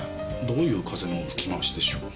どういう風の吹き回しでしょう。